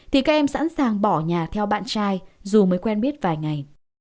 thì các em sẵn sàng bỏ nhà theo bạn trai dù mới quen biết vài ngày